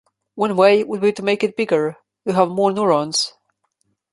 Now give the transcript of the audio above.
One way would be to make it bigger, to have more neurons.